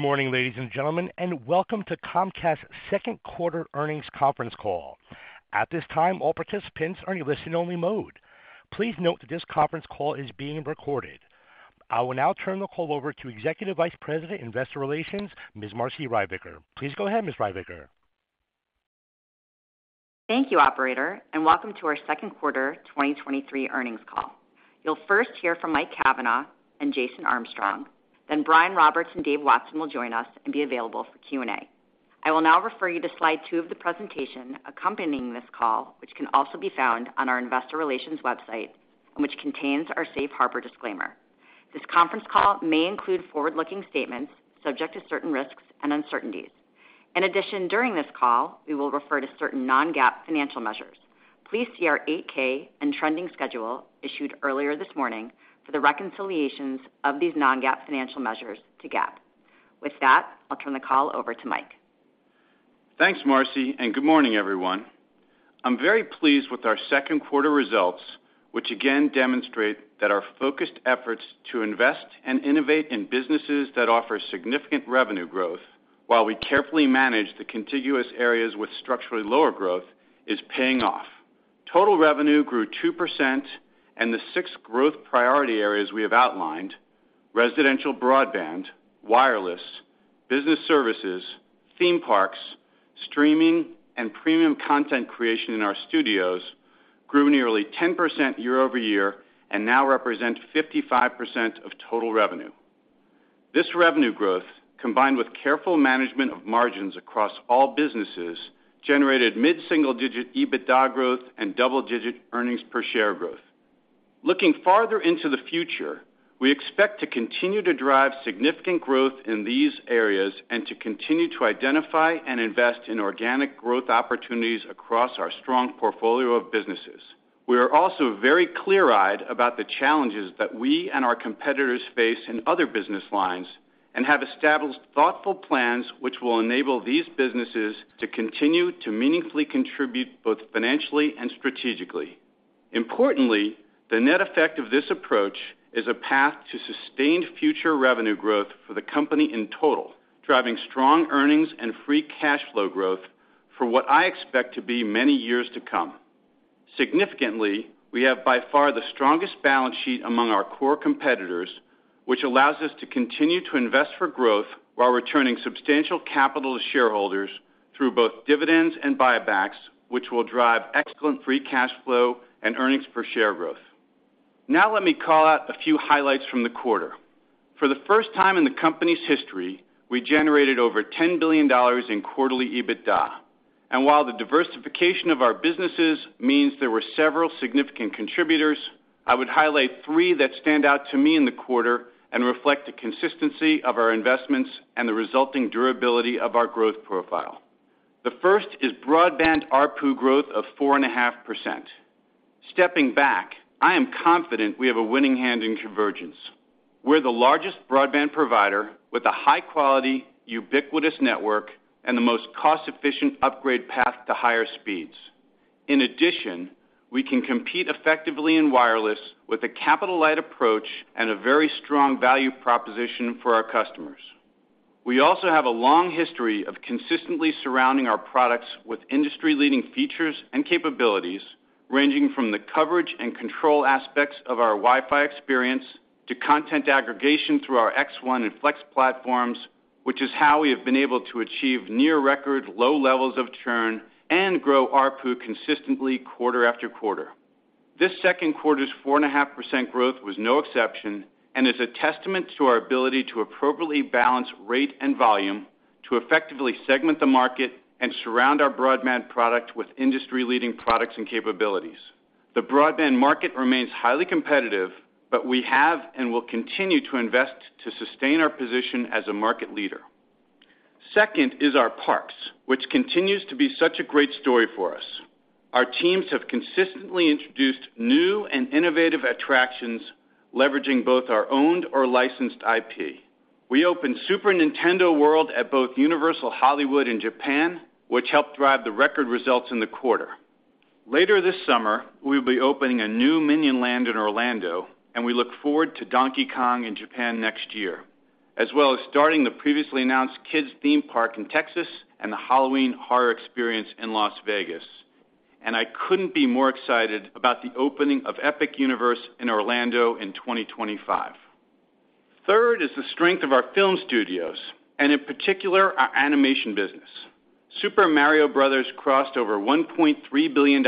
Good morning, ladies and gentlemen, and welcome to Comcast's second quarter earnings conference call. At this time, all participants are in listen-only mode. Please note that this conference call is being recorded. I will now turn the call over to Executive Vice President, Investor Relations, Ms. Marci Ryvicker. Please go ahead, Ms. Ryvicker. Thank you, operator, and welcome to our second quarter 2023 earnings call. You'll first hear from Mike Cavanagh and Jason Armstrong, then Brian Roberts and Dave Watson will join us and be available for Q&A. I will now refer you to slide two of the presentation accompanying this call, which can also be found on our Investor Relations website and which contains our safe harbor disclaimer. This conference call may include forward-looking statements subject to certain risks and uncertainties. In addition, during this call, we will refer to certain non-GAAP financial measures. Please see our 8-K and trending schedule issued earlier this morning for the reconciliations of these non-GAAP financial measures to GAAP. With that, I'll turn the call over to Mike. Thanks, Marci. Good morning, everyone. I'm very pleased with our second quarter results, which again demonstrate that our focused efforts to invest and innovate in businesses that offer significant revenue growth while we carefully manage the contiguous areas with structurally lower growth is paying off. Total revenue grew 2%. The six growth priority areas we have outlined: residential broadband, wireless, business services, theme parks, streaming, and premium content creation in our studios, grew nearly 10% year-over-year and now represent 55% of total revenue. This revenue growth, combined with careful management of margins across all businesses, generated mid-single-digit EBITDA growth and double-digit earnings per share growth. Looking farther into the future, we expect to continue to drive significant growth in these areas and to continue to identify and invest in organic growth opportunities across our strong portfolio of businesses. We are also very clear-eyed about the challenges that we and our competitors face in other business lines and have established thoughtful plans which will enable these businesses to continue to meaningfully contribute, both financially and strategically. Importantly, the net effect of this approach is a path to sustained future revenue growth for the company in total, driving strong earnings and free cash flow growth for what I expect to be many years to come. Significantly, we have by far the strongest balance sheet among our core competitors, which allows us to continue to invest for growth while returning substantial capital to shareholders through both dividends and buybacks, which will drive excellent free cash flow and earnings per share growth. Let me call out a few highlights from the quarter. For the first time in the company's history, we generated over $10 billion in quarterly EBITDA. While the diversification of our businesses means there were several significant contributors, I would highlight three that stand out to me in the quarter and reflect the consistency of our investments and the resulting durability of our growth profile. The first is broadband ARPU growth of 4.5%. Stepping back, I am confident we have a winning hand in convergence. We're the largest broadband provider with a high-quality, ubiquitous network and the most cost-efficient upgrade path to higher speeds. In addition, we can compete effectively in wireless with a capital-light approach and a very strong value proposition for our customers. We also have a long history of consistently surrounding our products with industry-leading features and capabilities, ranging from the coverage and control aspects of our Wi-Fi experience to content aggregation through our X1 and Flex platforms, which is how we have been able to achieve near-record low levels of churn and grow ARPU consistently quarter after quarter. This second quarter's 4.5% growth was no exception and is a testament to our ability to appropriately balance rate and volume, to effectively segment the market, and surround our broadband product with industry-leading products and capabilities. The broadband market remains highly competitive. We have and will continue to invest to sustain our position as a market leader. Second is our parks, which continues to be such a great story for us. Our teams have consistently introduced new and innovative attractions, leveraging both our owned or licensed IP. We opened Super Nintendo World at both Universal Hollywood and Japan, which helped drive the record results in the quarter. Later this summer, we'll be opening a new Minion Land in Orlando, and we look forward to Donkey Kong in Japan next year, as well as starting the previously announced kids' theme park in Texas and the Halloween Horror Experience in Las Vegas. I couldn't be more excited about the opening of Epic Universe in Orlando in 2025. Third is the strength of our film studios and, in particular, our animation business. Super Mario Brothers crossed over $1.3 billion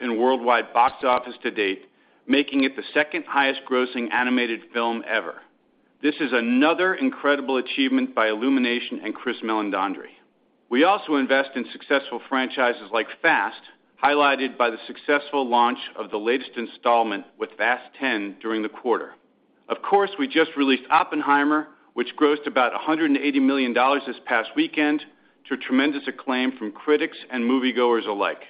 in worldwide box office to date, making it the second highest grossing animated film ever. This is another incredible achievement by Illumination and Chris Meledandri. We also invest in successful franchises like Fast, highlighted by the successful launch of the latest installment with Fast X during the quarter. Of course, we just released Oppenheimer, which grossed about $180 million this past weekend to tremendous acclaim from critics and moviegoers alike.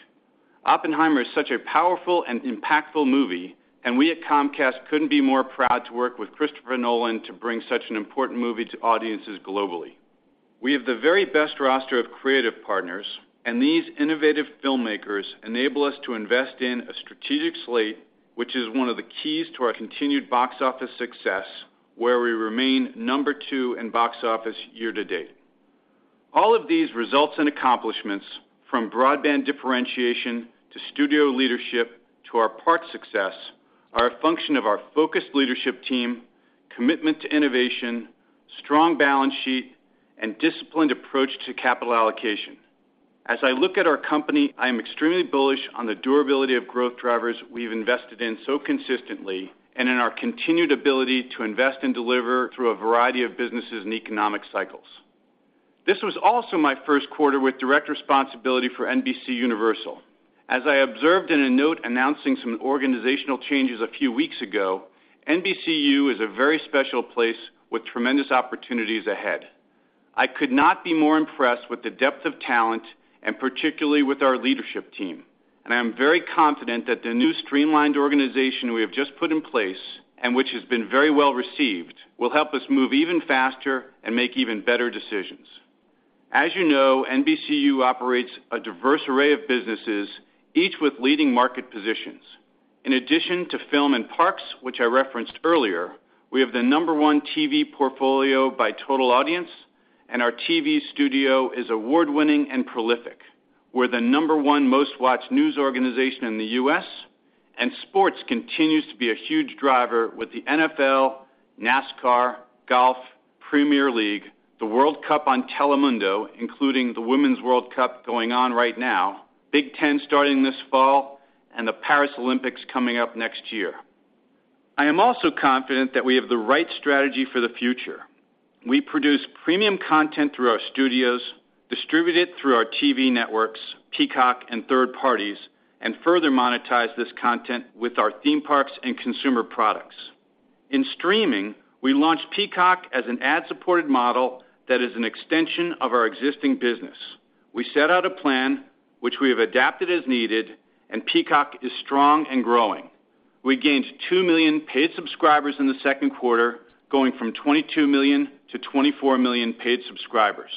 Oppenheimer is such a powerful and impactful movie, and we at Comcast couldn't be more proud to work with Christopher Nolan to bring such an important movie to audiences globally. We have the very best roster of creative partners, and these innovative filmmakers enable us to invest in a strategic slate, which is one of the keys to our continued box office success, where we remain number two in box office year-to-date. All of these results and accomplishments, from broadband differentiation to studio leadership to our park success, are a function of our focused leadership team, commitment to innovation, strong balance sheet, and disciplined approach to capital allocation. As I look at our company, I am extremely bullish on the durability of growth drivers we've invested in so consistently and in our continued ability to invest and deliver through a variety of businesses and economic cycles. This was also my first quarter with direct responsibility for NBCUniversal. As I observed in a note announcing some organizational changes a few weeks ago, NBCU is a very special place with tremendous opportunities ahead. I could not be more impressed with the depth of talent and particularly with our leadership team, I am very confident that the new streamlined organization we have just put in place, and which has been very well received, will help us move even faster and make even better decisions. As you know, NBCU operates a diverse array of businesses, each with leading market positions. In addition to film and parks, which I referenced earlier, we have the number one TV portfolio by total audience, and our TV studio is award-winning and prolific. We're the number one most-watched news organization in the U.S., sports continues to be a huge driver with the NFL, NASCAR, golf, Premier League, the World Cup on Telemundo, including the Women's World Cup going on right now, Big Ten starting this fall, and the Paris Olympics coming up next year. I am also confident that we have the right strategy for the future. We produce premium content through our studios, distribute it through our TV networks, Peacock, and third parties, and further monetize this content with our theme parks and consumer products. In streaming, we launched Peacock as an ad-supported model that is an extension of our existing business. We set out a plan which we have adapted as needed, and Peacock is strong and growing. We gained 2 million paid subscribers in the second quarter, going from 22 million to 24 million paid subscribers.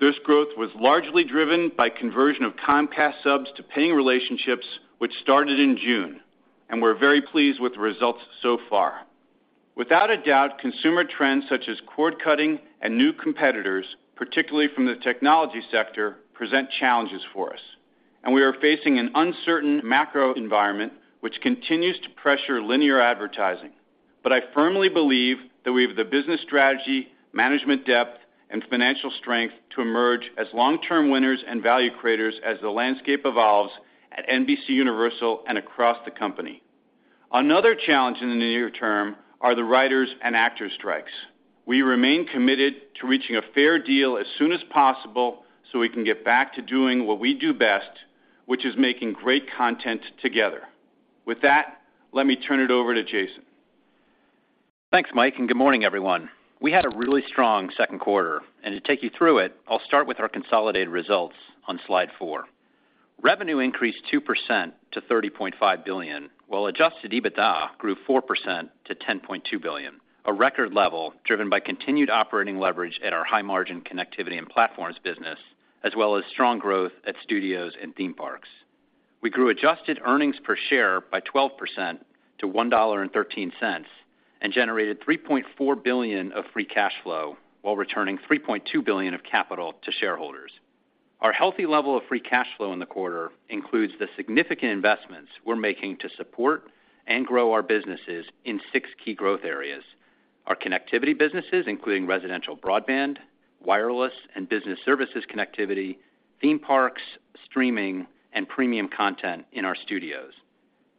This growth was largely driven by conversion of Comcast subs to paying relationships, which started in June, and we're very pleased with the results so far. Without a doubt, consumer trends such as cord-cutting and new competitors, particularly from the technology sector, present challenges for us. We are facing an uncertain macro environment, which continues to pressure linear advertising. I firmly believe that we have the business strategy, management depth, and financial strength to emerge as long-term winners and value creators as the landscape evolves at NBCUniversal and across the company. Another challenge in the near term are the writers and actors strikes. We remain committed to reaching a fair deal as soon as possible. We can get back to doing what we do best, which is making great content together. With that, let me turn it over to Jason. Thanks, Mike, good morning, everyone. We had a really strong second quarter. To take you through it, I'll start with our consolidated results on slide 4. Revenue increased 2% to $30.5 billion, while adjusted EBITDA grew 4% to $10.2 billion, a record level driven by continued operating leverage at our high-margin Connectivity & Platforms business, as well as strong growth at studios and theme parks. We grew adjusted earnings per share by 12% to $1.13 and generated $3.4 billion of free cash flow while returning $3.2 billion of capital to shareholders. Our healthy level of free cash flow in the quarter includes the significant investments we're making to support and grow our businesses in 6 key growth areas: our connectivity businesses, including residential broadband, wireless, and business services connectivity, theme parks, streaming, and premium content in our studios.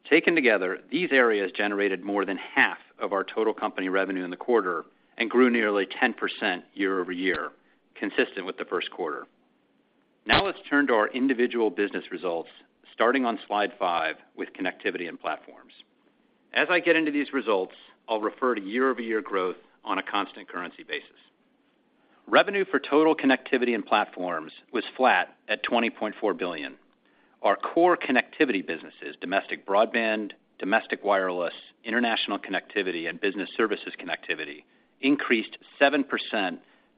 Taken together, these areas generated more than half of our total company revenue in the quarter and grew nearly 10% year-over-year, consistent with the 1st quarter. Let's turn to our individual business results, starting on slide 5 with Connectivity & Platforms. As I get into these results, I'll refer to year-over-year growth on a constant currency basis. Revenue for total Connectivity & Platforms was flat at $20.4 billion. Our core connectivity businesses, domestic broadband, domestic wireless, international connectivity, and business services connectivity, increased 7%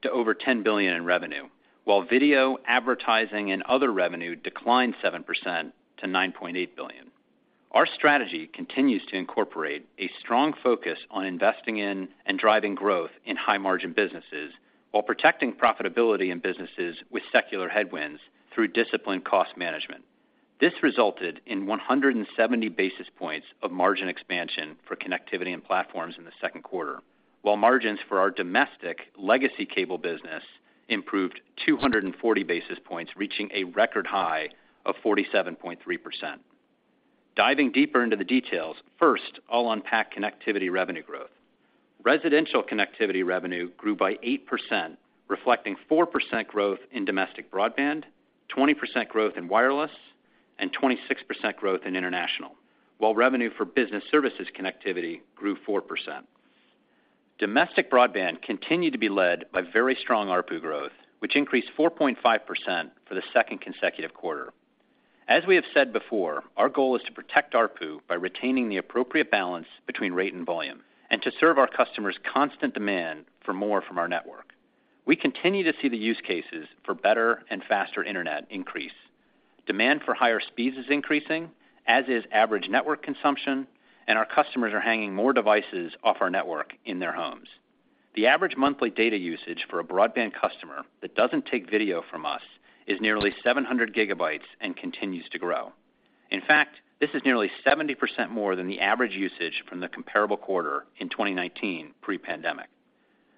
to over $10 billion in revenue, while video advertising and other revenue declined 7% to $9.8 billion. Our strategy continues to incorporate a strong focus on investing in and driving growth in high-margin businesses while protecting profitability in businesses with secular headwinds through disciplined cost management. This resulted in 170 basis points of margin expansion for Connectivity & Platforms in the second quarter, while margins for our domestic legacy cable business improved 240 basis points, reaching a record high of 47.3%. Diving deeper into the details, first, I'll unpack connectivity revenue growth. Residential connectivity revenue grew by 8%, reflecting 4% growth in domestic broadband, 20% growth in wireless, and 26% growth in international, while revenue for business services connectivity grew 4%. Domestic broadband continued to be led by very strong ARPU growth, which increased 4.5% for the second consecutive quarter. As we have said before, our goal is to protect ARPU by retaining the appropriate balance between rate and volume, and to serve our customers' constant demand for more from our network. We continue to see the use cases for better and faster internet increase. Demand for higher speeds is increasing, as is average network consumption, and our customers are hanging more devices off our network in their homes. The average monthly data usage for a broadband customer that doesn't take video from us is nearly 700 GB and continues to grow. In fact, this is nearly 70% more than the average usage from the comparable quarter in 2019 pre-pandemic.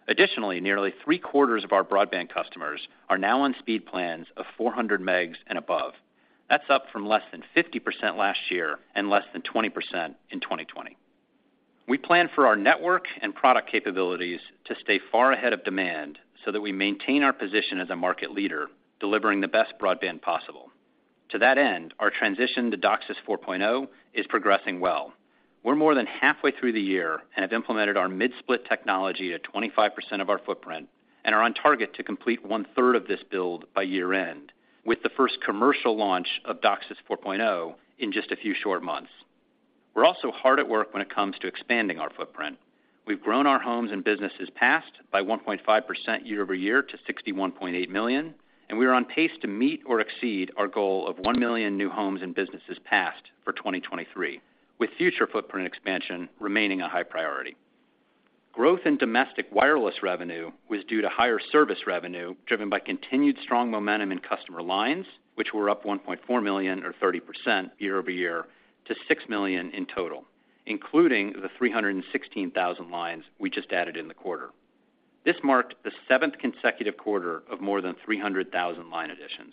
Additionally, nearly three-quarters of our broadband customers are now on speed plans of 400 megs and above. That's up from less than 50% last year and less than 20% in 2020. We plan for our network and product capabilities to stay far ahead of demand so that we maintain our position as a market leader, delivering the best broadband possible. To that end, our transition to DOCSIS 4.0 is progressing well. We're more than halfway through the year and have implemented our mid-split technology to 25% of our footprint and are on target to complete one-third of this build by year-end, with the first commercial launch of DOCSIS 4.0 in just a few short months. We're also hard at work when it comes to expanding our footprint. We've grown our homes and businesses passed by 1.5% year-over-year to 61.8 million. We are on pace to meet or exceed our goal of 1 million new homes and businesses passed for 2023, with future footprint expansion remaining a high priority. Growth in domestic wireless revenue was due to higher service revenue, driven by continued strong momentum in customer lines, which were up 1.4 million or 30% year-over-year to 6 million in total, including the 316,000 lines we just added in the quarter. This marked the seventh consecutive quarter of more than 300,000 line additions.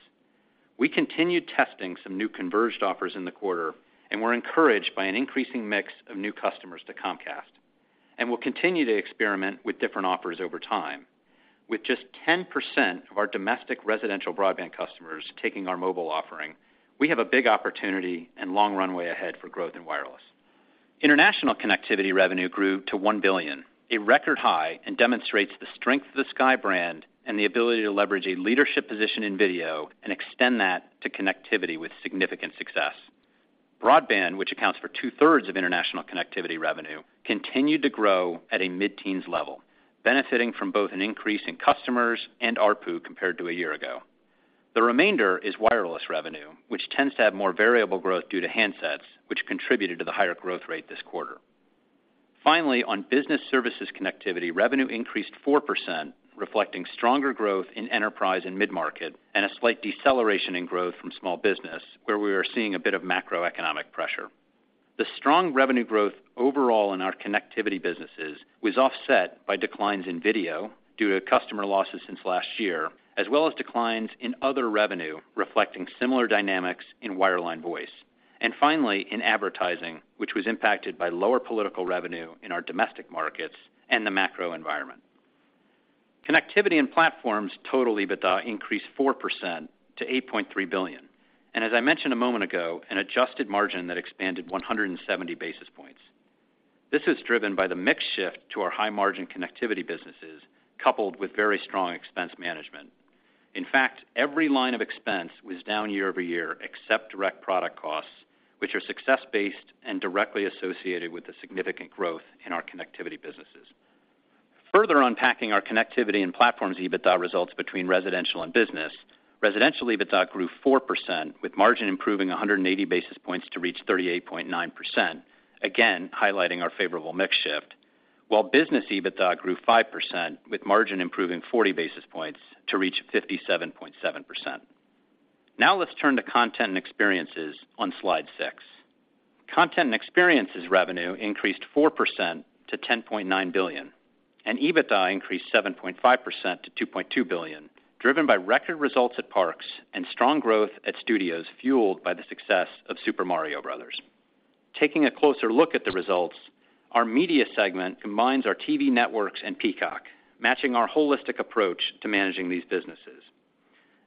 We continued testing some new converged offers in the quarter and were encouraged by an increasing mix of new customers to Comcast. We'll continue to experiment with different offers over time. With just 10% of our domestic residential broadband customers taking our mobile offering, we have a big opportunity and long runway ahead for growth in wireless. International connectivity revenue grew to $1 billion, a record high, and demonstrates the strength of the Sky brand and the ability to leverage a leadership position in video and extend that to connectivity with significant success. Broadband, which accounts for 2/3 of international connectivity revenue, continued to grow at a mid-teens level, benefiting from both an increase in customers and ARPU compared to a year ago. The remainder is wireless revenue, which tends to have more variable growth due to handsets, which contributed to the higher growth rate this quarter. Finally, on business services, connectivity revenue increased 4%, reflecting stronger growth in enterprise and mid-market, and a slight deceleration in growth from small business, where we are seeing a bit of macroeconomic pressure. The strong revenue growth overall in our connectivity businesses was offset by declines in video due to customer losses since last year, as well as declines in other revenue, reflecting similar dynamics in wireline voice, and finally, in advertising, which was impacted by lower political revenue in our domestic markets and the macro environment. Connectivity & Platforms, total EBITDA increased 4% to $8.3 billion, and as I mentioned a moment ago, an adjusted margin that expanded 170 basis points. This is driven by the mix shift to our high-margin connectivity businesses, coupled with very strong expense management. In fact, every line of expense was down year-over-year, except direct product costs, which are success-based and directly associated with the significant growth in our connectivity businesses. Further unpacking our Connectivity & Platforms, EBITDA results between residential and business. Residential EBITDA grew 4%, with margin improving 180 basis points to reach 38.9%, again, highlighting our favorable mix shift. Business EBITDA grew 5%, with margin improving 40 basis points to reach 57.7%. Let's turn to Content & Experiences on slide 6. Content & Experiences revenue increased 4% to $10.9 billion, and EBITDA increased 7.5% to $2.2 billion, driven by record results at Parks and strong growth at Studios, fueled by the success of Super Mario Brothers. Taking a closer look at the results, our media segment combines our TV networks and Peacock, matching our holistic approach to managing these businesses.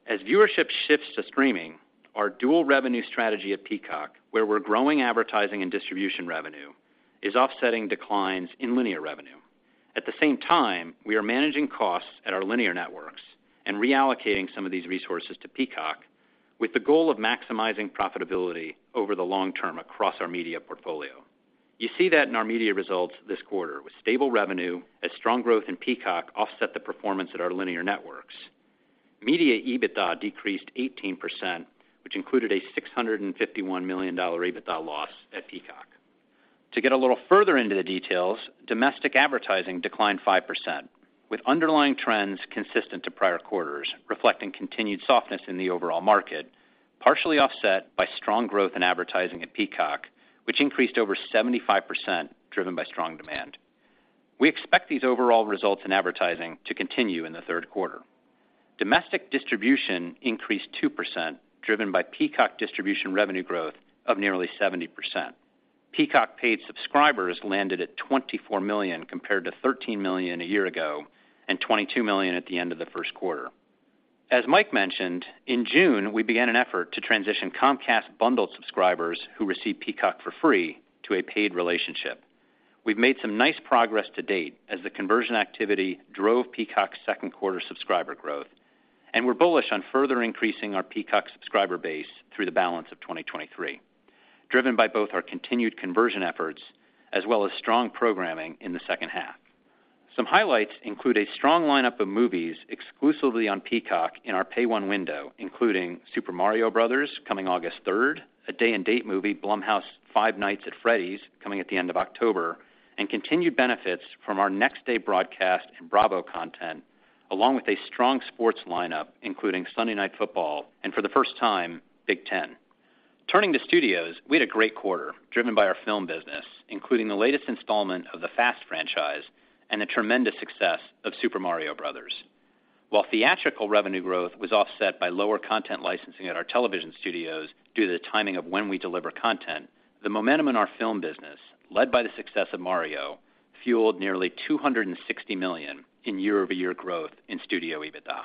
As viewership shifts to streaming, our dual revenue strategy at Peacock, where we're growing advertising and distribution revenue, is offsetting declines in linear revenue. At the same time, we are managing costs at our linear networks and reallocating some of these resources to Peacock, with the goal of maximizing profitability over the long term across our media portfolio. You see that in our media results this quarter, with stable revenue as strong growth in Peacock offset the performance at our linear networks. Media EBITDA decreased 18%, which included a $651 million EBITDA loss at Peacock. To get a little further into the details, domestic advertising declined 5%, with underlying trends consistent to prior quarters, reflecting continued softness in the overall market, partially offset by strong growth in advertising at Peacock, which increased over 75%, driven by strong demand. We expect these overall results in advertising to continue in the third quarter. Domestic distribution increased 2%, driven by Peacock distribution revenue growth of nearly 70%. Peacock paid subscribers landed at 24 million, compared to 13 million a year ago and 22 million at the end of the first quarter. As Mike mentioned, in June, we began an effort to transition Comcast bundled subscribers who receive Peacock for free to a paid relationship. We've made some nice progress to date as the conversion activity drove Peacock's second quarter subscriber growth, and we're bullish on further increasing our Peacock subscriber base through the balance of 2023, driven by both our continued conversion efforts as well as strong programming in the second half. Some highlights include a strong lineup of movies exclusively on Peacock in our Pay-1 window, including Super Mario Brothers, coming August third, a day-and-date movie, Blumhouse's Five Nights at Freddy's, coming at the end of October, and continued benefits from our next-day broadcast and Bravo content, along with a strong sports lineup, including Sunday Night Football and, for the first time, Big Ten. Turning to studios, we had a great quarter, driven by our film business, including the latest installment of the Fast & Furious franchise and the tremendous success of The Super Mario Brothers. While theatrical revenue growth was offset by lower content licensing at our television studios due to the timing of when we deliver content, the momentum in our film business, led by the success of Mario, fueled nearly $260 million in year-over-year growth in studio EBITDA.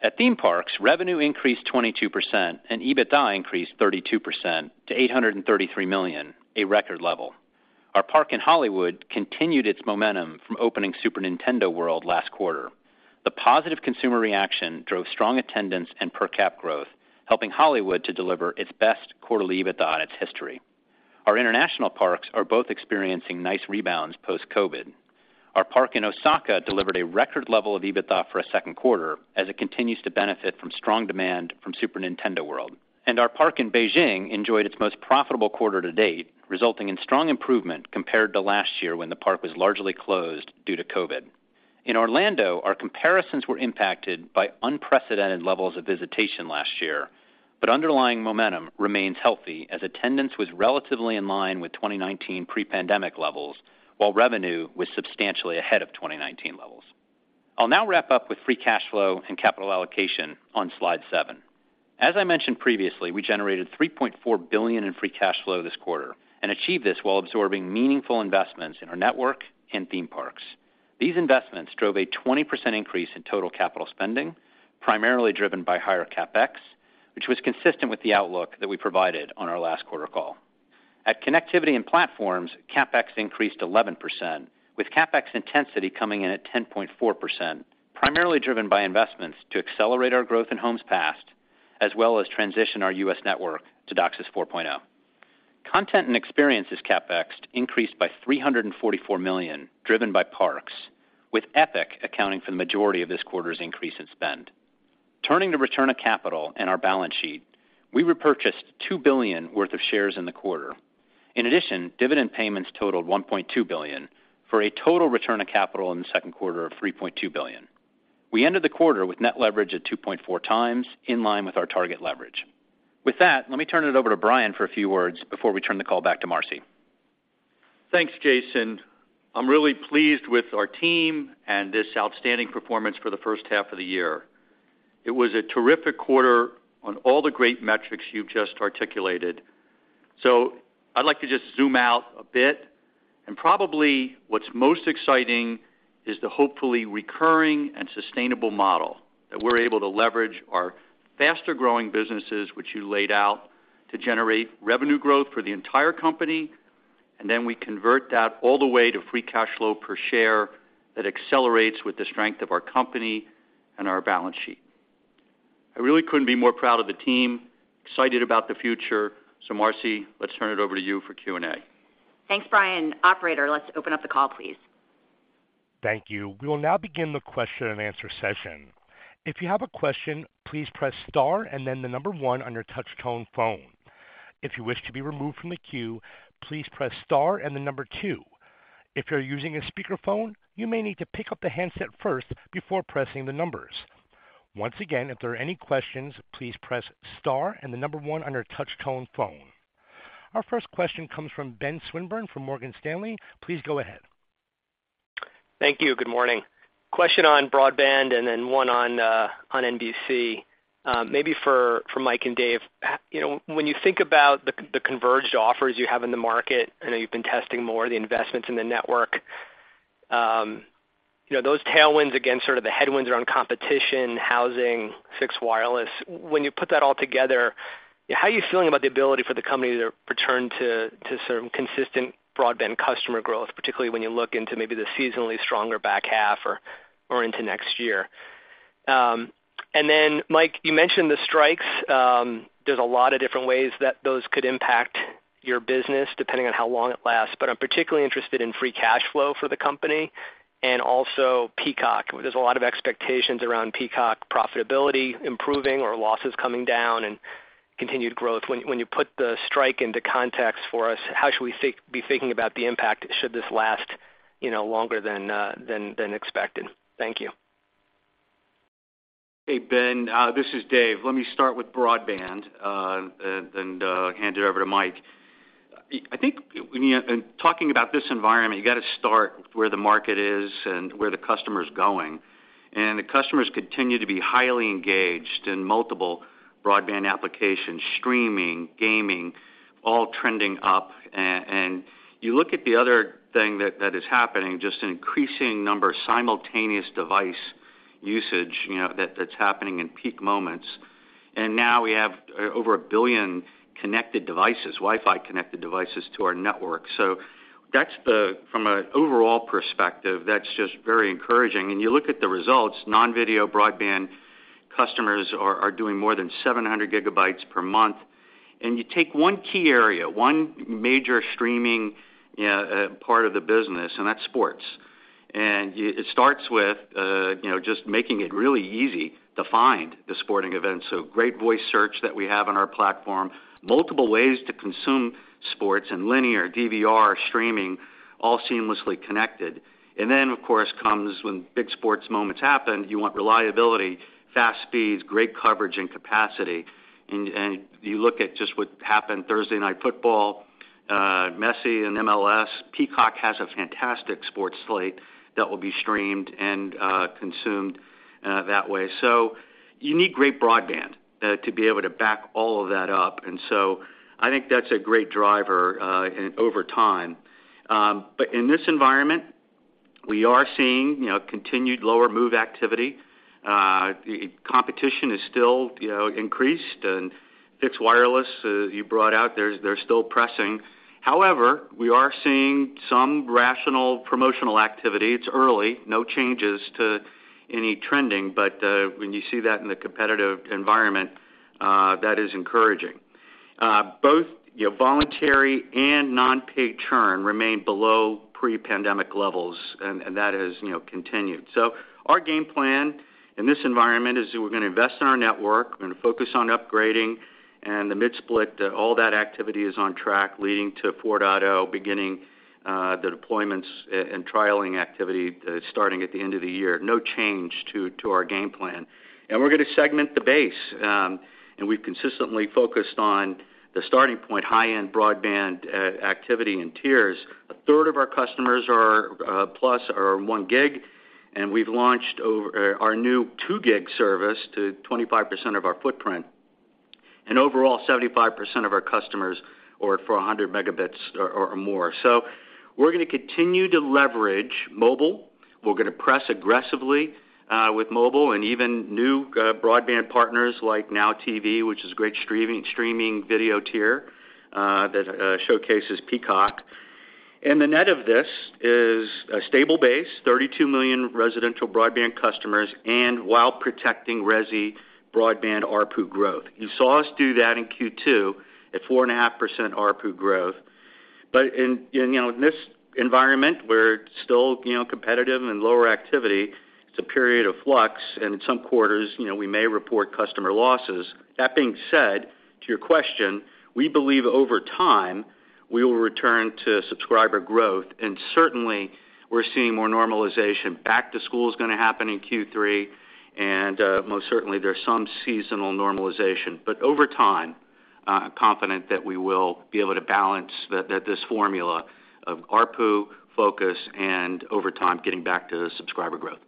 At theme parks, revenue increased 22%, and EBITDA increased 32% to $833 million, a record level. Our park in Hollywood continued its momentum from opening Super Nintendo World last quarter. The positive consumer reaction drove strong attendance and per cap growth, helping Hollywood to deliver its best quarterly EBITDA in its history. Our international parks are both experiencing nice rebounds post-COVID. Our park in Osaka delivered a record level of EBITDA for a second quarter, as it continues to benefit from strong demand from Super Nintendo World. Our park in Beijing enjoyed its most profitable quarter to date, resulting in strong improvement compared to last year, when the park was largely closed due to COVID. In Orlando, our comparisons were impacted by unprecedented levels of visitation last year, but underlying momentum remains healthy as attendance was relatively in line with 2019 pre-pandemic levels, while revenue was substantially ahead of 2019 levels. I'll now wrap up with free cash flow and capital allocation on slide 7. As I mentioned previously, we generated $3.4 billion in free cash flow this quarter and achieved this while absorbing meaningful investments in our network and theme parks. These investments drove a 20% increase in total capital spending, primarily driven by higher CapEx, which was consistent with the outlook that we provided on our last quarter call. At Connectivity & Platforms, CapEx increased 11%, with CapEx intensity coming in at 10.4%, primarily driven by investments to accelerate our growth in homes passed, as well as transition our U.S. network to DOCSIS 4.0. Content & Experiences CapEx increased by $344 million, driven by parks, with Epic accounting for the majority of this quarter's increase in spend. Turning to return of capital and our balance sheet, we repurchased $2 billion worth of shares in the quarter. In addition, dividend payments totaled $1.2 billion, for a total return of capital in the second quarter of $3.2 billion. We ended the quarter with net leverage at 2.4x, in line with our target leverage. With that, let me turn it over to Brian for a few words before we turn the call back to Marci. Thanks, Jason. I'm really pleased with our team and this outstanding performance for the first half of the year. It was a terrific quarter on all the great metrics you've just articulated. I'd like to just zoom out a bit, and probably what's most exciting is the hopefully recurring and sustainable model that we're able to leverage our faster-growing businesses, which you laid out, to generate revenue growth for the entire company, and then we convert that all the way to free cash flow per share that accelerates with the strength of our company and our balance sheet. I really couldn't be more proud of the team, excited about the future. Marci, let's turn it over to you for Q&A. Thanks, Brian. Operator, let's open up the call, please. Thank you. We will now begin the question-and-answer session. If you have a question, please press Star and then the number one on your touch tone phone. If you wish to be removed from the queue, please press Star and the number two. If you're using a speakerphone, you may need to pick up the handset first before pressing the numbers. Once again, if there are any questions, please press Star and the number one on your touch tone phone. Our first question comes from Ben Swinburne from Morgan Stanley. Please go ahead. Thank you. Good morning. Question on broadband and then one on NBC, maybe for Mike and Dave. You know, when you think about the converged offers you have in the market, I know you've been testing more of the investments in the network, those tailwinds against sort of the headwinds around competition, housing, fixed wireless, when you put that all together, how are you feeling about the ability for the company to return to sort of consistent broadband customer growth, particularly when you look into maybe the seasonally stronger back half or into next year? Then, Mike, you mentioned the strikes. There's a lot of different ways that those could impact your business, depending on how long it lasts, but I'm particularly interested in free cash flow for the company and also Peacock. There's a lot of expectations around Peacock profitability improving or losses coming down and continued growth. When you put the strike into context for us, how should we be thinking about the impact, should this last, you know, longer than expected? Thank you. Hey, Ben, this is Dave. Let me start with broadband and hand it over to Mike. I think in talking about this environment, you got to start where the market is and where the customer is going. The customers continue to be highly engaged in multiple broadband applications, streaming, gaming, all trending up. And you look at the other thing that is happening, just an increasing number of simultaneous device... usage, you know, that's happening in peak moments. Now we have over 1 billion connected devices, Wi-Fi connected devices to our network. From an overall perspective, that's just very encouraging. You look at the results, non-video broadband customers are doing more than 700 GB per month. You take one key area, one major streaming part of the business, and that's sports. It starts with, you know, just making it really easy to find the sporting events. Great voice search that we have on our platform, multiple ways to consume sports and linear DVR streaming, all seamlessly connected. Then, of course, comes when big sports moments happen, you want reliability, fast speeds, great coverage and capacity. You look at just what happened Thursday Night Football, Messi and MLS, Peacock has a fantastic sports slate that will be streamed and consumed that way. You need great broadband to be able to back all of that up. I think that's a great driver and over time. In this environment, we are seeing, you know, continued lower move activity. Competition is still, you know, increased, and fixed wireless, you brought out, they're still pressing. However, we are seeing some rational promotional activity. It's early, no changes to any trending, but when you see that in the competitive environment, that is encouraging. Both, you know, voluntary and non-paid churn remain below pre-pandemic levels, and that has, you know, continued. Our game plan in this environment is we're gonna invest in our network, we're gonna focus on upgrading and the mid-split, all that activity is on track, leading to 4.0, beginning the deployments and trialing activity starting at the end of the year. No change to our game plan. We're gonna segment the base. We've consistently focused on the starting point, high-end broadband activity and tiers. A third of our customers are plus or one gig, and we've launched our new two gig service to 25% of our footprint. Overall, 75% of our customers are for 100 Mb or more. We're gonna continue to leverage mobile. We're gonna press aggressively with mobile and even new broadband partners like NOW TV, which is a great streaming video tier that showcases Peacock. The net of this is a stable base, 32 million residential broadband customers, and while protecting resi broadband ARPU growth. You saw us do that in Q2 at 4.5% ARPU growth. In, you know, in this environment, we're still, you know, competitive and lower activity. It's a period of flux, in some quarters, you know, we may report customer losses. That being said, to your question, we believe over time, we will return to subscriber growth, certainly, we're seeing more normalization. Back to school is gonna happen in Q3, most certainly, there's some seasonal normalization. Over time, confident that we will be able to balance that this formula of ARPU focus and over time, getting back to subscriber growth.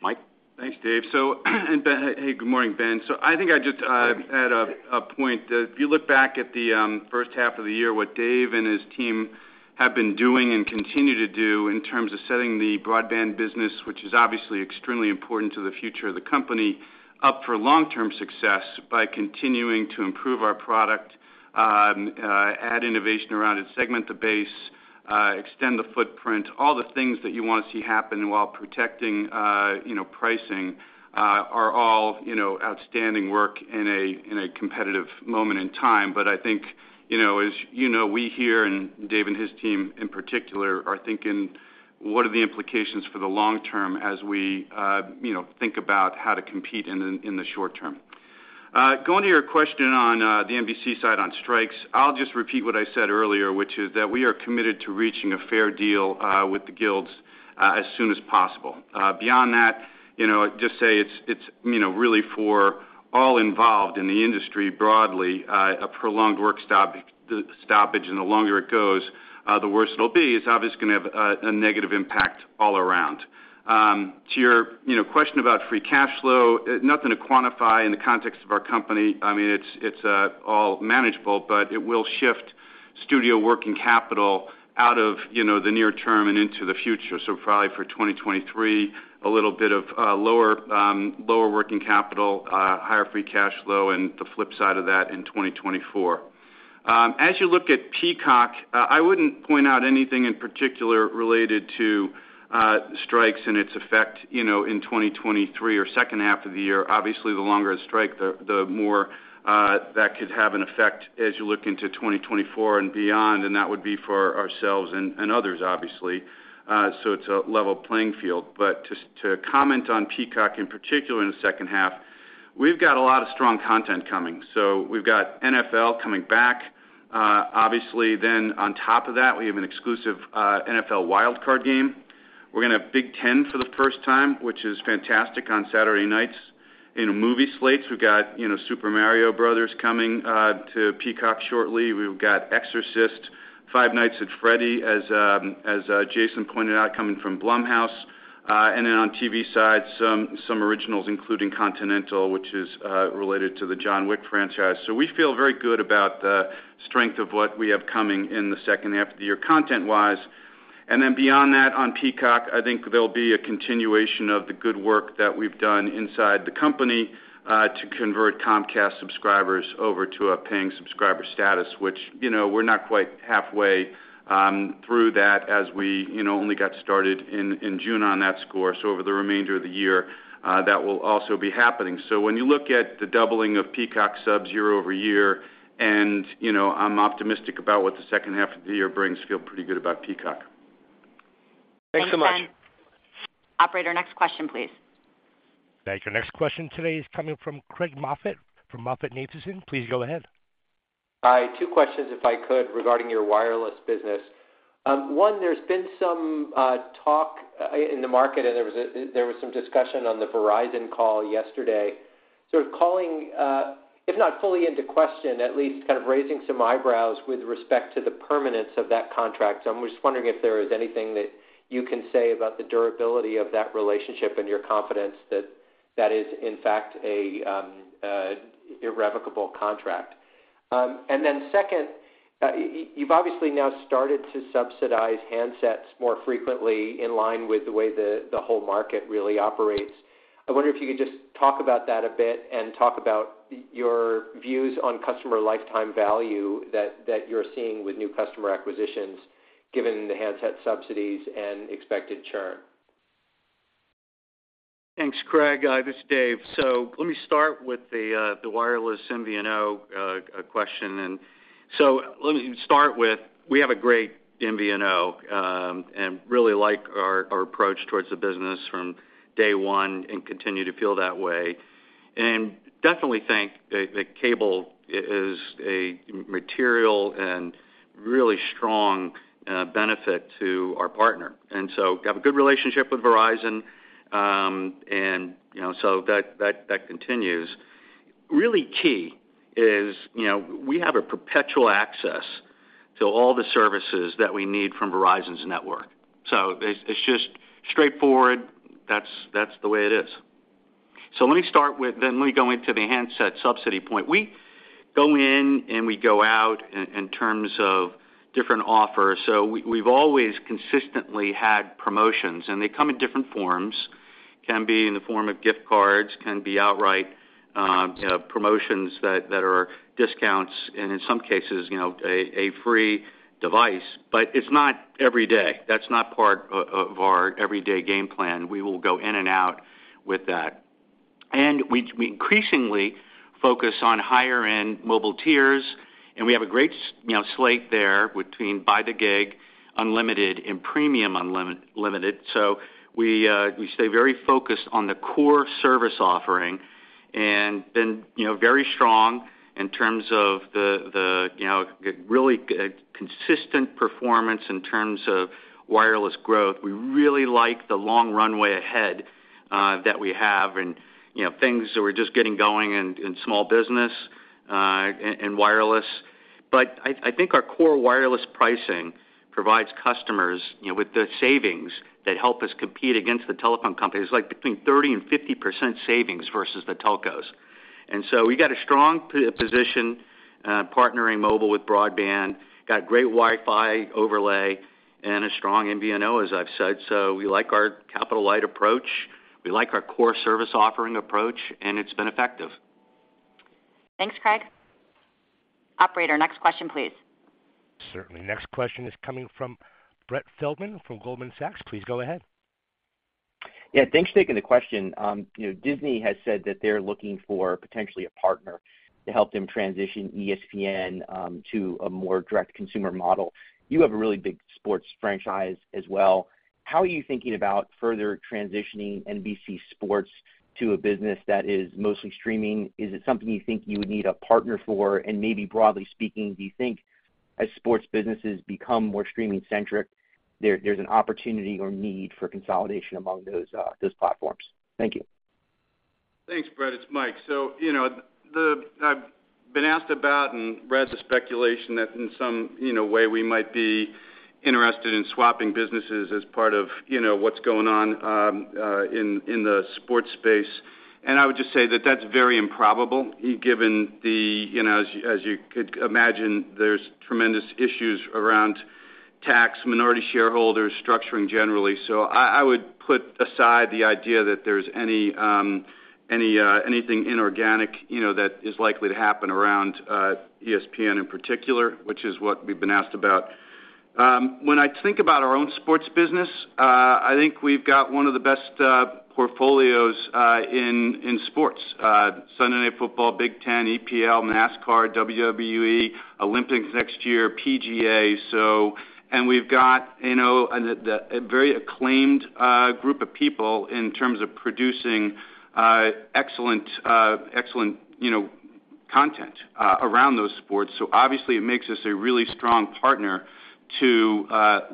Mike? Thanks, Dave. Hey, good morning, Ben. I think I just add a point that if you look back at the first half of the year, what Dave and his team have been doing and continue to do in terms of setting the broadband business, which is obviously extremely important to the future of the company, up for long-term success by continuing to improve our product, add innovation around it, segment the base, extend the footprint, all the things that you want to see happen while protecting, you know, pricing, are all, you know, outstanding work in a competitive moment in time. I think, you know, as you know, we here, and Dave Watson and his team in particular, are thinking, what are the implications for the long term as we, you know, think about how to compete in the, in the short term? Going to your question on the NBC side on strikes, I'll just repeat what I said earlier, which is that we are committed to reaching a fair deal with the guilds as soon as possible. Beyond that, you know, just say it's, it's, you know, really for all involved in the industry broadly, a prolonged work stoppage, and the longer it goes, the worse it'll be. It's obviously gonna have a negative impact all around. To your, you know, question about free cash flow, nothing to quantify in the context of our company. I mean, it's all manageable, it will shift studio working capital out of, you know, the near term and into the future. Probably for 2023, a little bit of lower working capital, higher free cash flow, and the flip side of that in 2024. As you look at Peacock, I wouldn't point out anything in particular related to strikes and its effect, you know, in 2023 or second half of the year. Obviously, the longer the strike, the more that could have an effect as you look into 2024 and beyond, and that would be for ourselves and others, obviously. It's a level playing field. To comment on Peacock, in particular, in the second half, we've got a lot of strong content coming. We've got NFL coming back. Obviously, then on top of that, we have an exclusive NFL Wild Card game. We're gonna have Big Ten for the first time, which is fantastic on Saturday nights. In movie slates, we've got, you know, Super Mario Brothers. coming to Peacock shortly. We've got Exorcist, Five Nights at Freddy's, as, as Jason pointed out, coming from Blumhouse. And then on TV side, some originals, including Continental, which is related to the John Wick franchise. We feel very good about the strength of what we have coming in the second half of the year, content-wise. Beyond that, on Peacock, I think there'll be a continuation of the good work that we've done inside the company, to convert Comcast subscribers over to a paying subscriber status, which, you know, we're not quite halfway, through that as we, you know, only got started in, in June on that score. Over the remainder of the year, that will also be happening. When you look at the doubling of Peacock subs year-over-year, and, you know, I'm optimistic about what the second half of the year brings. Feel pretty good about Peacock. Thanks so much. Thanks, Mike. Operator, next question, please. Thank you. Next question today is coming from Craig Moffett from MoffettNathanson. Please go ahead. Hi, two questions, if I could, regarding your wireless business. One, there's been some talk in the market, there was some discussion on the Verizon call yesterday, sort of calling, if not fully into question, at least kind of raising some eyebrows with respect to the permanence of that contract. I'm just wondering if there is anything that you can say about the durability of that relationship and your confidence that that is, in fact, a irrevocable contract. Second, you've obviously now started to subsidize handsets more frequently, in line with the way the whole market really operates. I wonder if you could just talk about that a bit and talk about your views on customer lifetime value that you're seeing with new customer acquisitions, given the handset subsidies and expected churn. Thanks, Craig. This is Dave. Let me start with the wireless MVNO question. Let me start with, we have a great MVNO and really like our approach towards the business from day one and continue to feel that way. Definitely think that cable is a material and really strong benefit to our partner. Got a good relationship with Verizon, and, you know, that continues. Really key is, you know, we have a perpetual access to all the services that we need from Verizon's network. It's just straightforward. That's the way it is. Let me go into the handset subsidy point. We go in, and we go out in terms of different offers. We, we've always consistently had promotions, and they come in different forms, can be in the form of gift cards, can be outright, you know, promotions that, that are discounts, and in some cases, you know, a free device. It's not every day. That's not part of our everyday game plan. We will go in and out with that. We, we increasingly focus on higher-end mobile tiers, and we have a great, you know, slate there between By the Gig, Unlimited, and Premium Unlimited. We, we stay very focused on the core service offering and been, you know, very strong in terms of the, you know, really, consistent performance in terms of wireless growth. We really like the long runway ahead that we have and, you know, things that we're just getting going in, in small business and wireless. I think our core wireless pricing provides customers, you know, with the savings that help us compete against the telephone companies, like between 30% and 50% savings versus the telcos. We got a strong position partnering mobile with broadband, got great Wi-Fi overlay and a strong MVNO, as I've said. We like our capital-light approach, we like our core service offering approach, and it's been effective. Thanks, Craig. Operator, next question, please. Certainly. Next question is coming from Brett Feldman from Goldman Sachs. Please go ahead. Yeah, thanks for taking the question. You know, Disney has said that they're looking for potentially a partner to help them transition ESPN to a more direct-to-consumer model. You have a really big sports franchise as well. How are you thinking about further transitioning NBC Sports to a business that is mostly streaming? Is it something you think you would need a partner for? Maybe broadly speaking, do you think as sports businesses become more streaming-centric, there's an opportunity or need for consolidation among those platforms? Thank you. Thanks, Brett. It's Mike. You know, I've been asked about and read the speculation that in some, you know, way, we might be interested in swapping businesses as part of, you know, what's going on in the sports space. I would just say that that's very improbable, given the. You know, as you could imagine, there's tremendous issues around tax, minority shareholders, structuring generally. I would put aside the idea that there's any anything inorganic, you know, that is likely to happen around ESPN in particular, which is what we've been asked about. When I think about our own sports business, I think we've got one of the best portfolios in sports. Sunday Night Football, Big Ten, EPL, NASCAR, WWE, Olympics next year, PGA. We've got, you know, a very acclaimed group of people in terms of producing excellent, excellent, you know, content around those sports. Obviously, it makes us a really strong partner to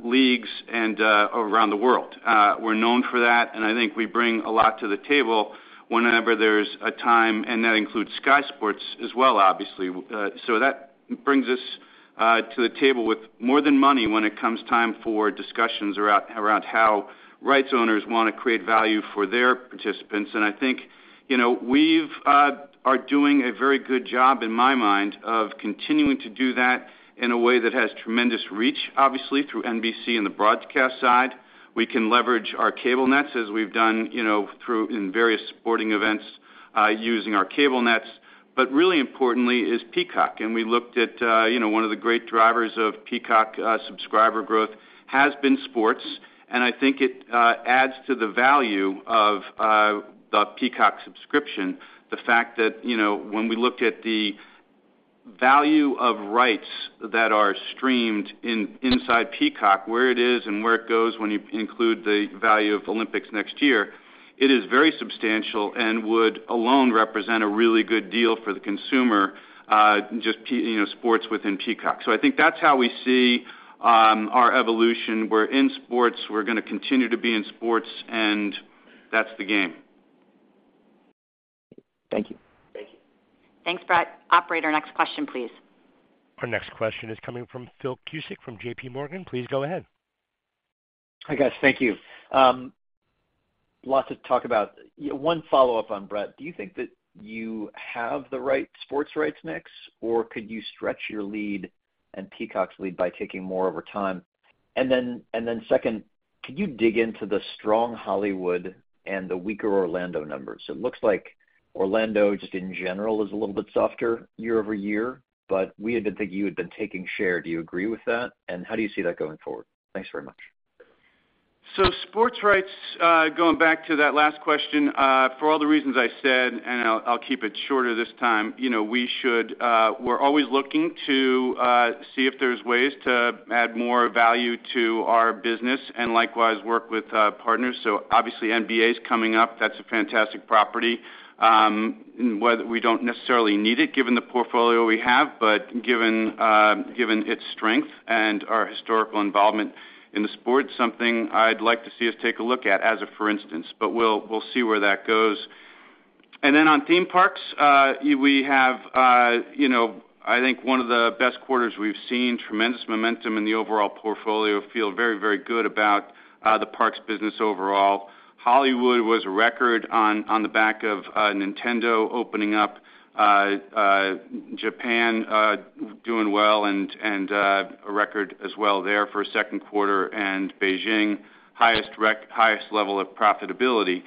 leagues and around the world. We're known for that, and I think we bring a lot to the table whenever there's a time, and that includes Sky Sports as well, obviously. So that brings us to the table with more than money when it comes time for discussions around how rights owners want to create value for their participants. I think, you know, we've are doing a very good job in my mind, of continuing to do that in a way that has tremendous reach, obviously, through NBC and the broadcast side. We can leverage our cable nets, as we've done, you know, in various sporting events, using our cable nets. Really importantly is Peacock, and we looked at, you know, one of the great drivers of Peacock, subscriber growth, has been sports. I think it adds to the value of the Peacock subscription, the fact that, you know, when we looked at the value of rights that are streamed inside Peacock, where it is and where it goes when you include the value of Olympics next year, it is very substantial and would alone represent a really good deal for the consumer, just you know, sports within Peacock. I think that's how we see our evolution. We're in sports, we're going to continue to be in sports, and that's the game. Thank you. Thank you. Thanks, Brett. Operator, next question, please. Our next question is coming from Phil Cusick from JPMorgan. Please go ahead. Hi, guys. Thank you. Lots to talk about. One follow-up on Brett, do you think that you have the right sports rights mix, or could you stretch your lead and Peacock's lead by taking more over time? Second, could you dig into the strong Hollywood and the weaker Orlando numbers? It looks like Orlando, just in general, is a little bit softer year over year, but we had been thinking you had been taking share. Do you agree with that? How do you see that going forward? Thanks very much. Sports rights, going back to that last question, for all the reasons I said, and I'll keep it shorter this time, you know, we're always looking to see if there's ways to add more value to our business and likewise, work with partners. Obviously, NBA is coming up. That's a fantastic property. Whether we don't necessarily need it, given the portfolio we have, but given its strength and our historical involvement in the sport, something I'd like to see us take a look at as a for instance, but we'll see where that goes. On theme parks, we have, you know, I think one of the best quarters we've seen, tremendous momentum in the overall portfolio. Feel very good about the parks business overall. Hollywood was a record on the back of Nintendo opening up Japan doing well and a record as well there for a second quarter, and Beijing, highest level of profitability.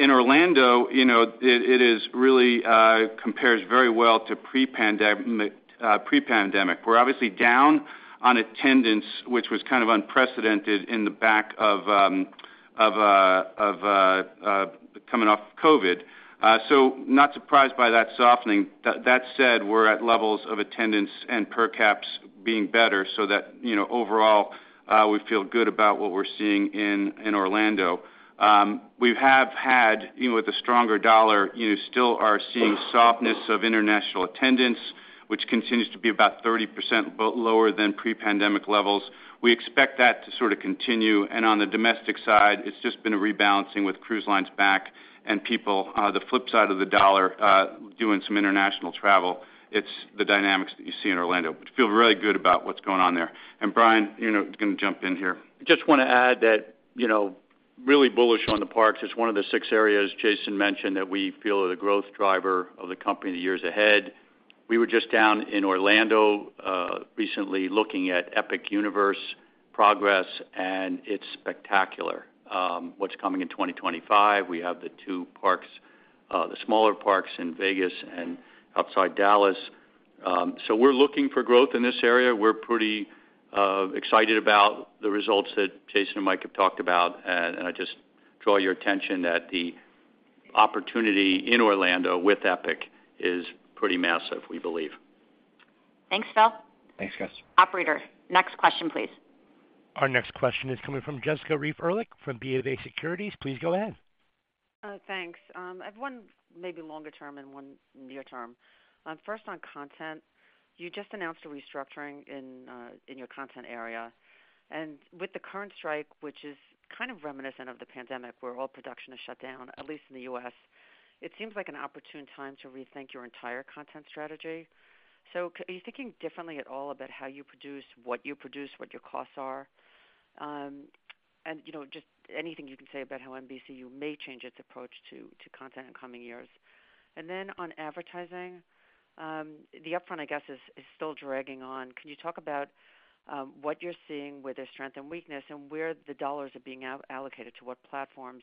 In Orlando, you know, it is really compares very well to pre-pandemic. We're obviously down on attendance, which was kind of unprecedented in the back of coming off COVID. Not surprised by that softening. That said, we're at levels of attendance and per caps being better, so that, you know, overall, we feel good about what we're seeing in Orlando. We have had, you know, with the stronger dollar, you still are seeing softness of international attendance, which continues to be about 30% lower than pre-pandemic levels. We expect that to sort of continue. On the domestic side, it's just been a rebalancing with cruise lines back and people, the flip side of the dollar, doing some international travel. It's the dynamics that you see in Orlando, feel really good about what's going on there. Brian, you know, going to jump in here. Just want to add that, you know, really bullish on the parks. It's one of the six areas Jason mentioned, that we feel are the growth driver of the company in the years ahead. We were just down in Orlando recently, looking at Epic Universe progress, and it's spectacular. What's coming in 2025, we have the two parks, the smaller parks in Vegas and outside Dallas. We're looking for growth in this area. We're pretty excited about the results that Jason and Mike have talked about, and I just draw your attention that the opportunity in Orlando with Epic is pretty massive, we believe. Thanks, Phil. Thanks, guys. Operator, next question, please. Our next question is coming from Jessica Reif Ehrlich from BofA Securities. Please go ahead. Thanks. I have one maybe longer term and one near term. First on content, you just announced a restructuring in your content area. With the current strike, which is kind of reminiscent of the pandemic, where all production is shut down, at least in the U.S., it seems like an opportune time to rethink your entire content strategy. Are you thinking differently at all about how you produce, what you produce, what your costs are? You know, just anything you can say about how NBCUniversal may change its approach to content in coming years. Then on advertising, the upfront, I guess, is still dragging on. Can you talk about what you're seeing, where there's strength and weakness, and where the dollars are being out-allocated, to what platforms?